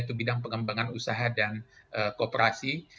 itu bidang pengembangan usaha dan kooperasi